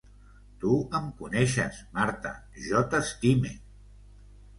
Tu em coneixes, Marta, jo t'estime.